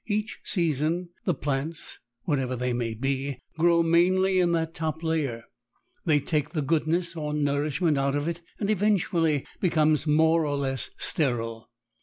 Each season the plants, whatever they may be, grow mainly in that top layer. They take the goodness or nourishment out of it and it eventually becomes more or less sterile.